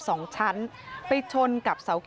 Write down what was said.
สองชั้นไปชนกับเสา